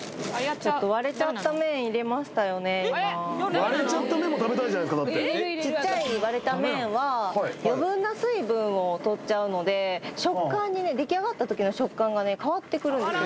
ちょっと割れちゃった麺も食べたいじゃないですかだってちっちゃい割れた麺は余分な水分を取っちゃうのでできあがった時の食感が変わってくるんですよ